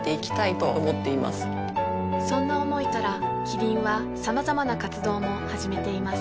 そんな思いからキリンはさまざまな活動も始めています